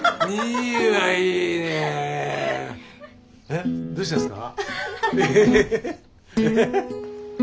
えっどうしたんですか？